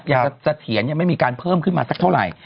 อย่างเสถียรยังไม่มีการเพิ่มขึ้นมาสักเท่าไหร่